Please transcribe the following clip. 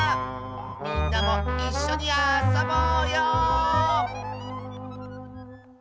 みんなもいっしょにあそぼうよ！